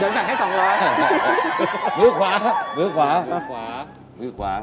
เดี๋ยวมันปักได้สัก๒๐๐